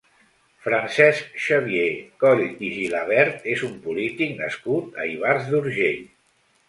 Francesc Xavier Coll i Gilabert és un polític nascut a Ivars d'Urgell.